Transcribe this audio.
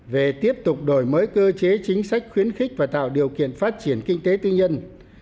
về tiếp tục đổi mới cơ chế chính sách khuyến khích và tạo điều kiện phát triển kinh tế tư nhân